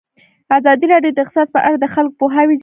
ازادي راډیو د اقتصاد په اړه د خلکو پوهاوی زیات کړی.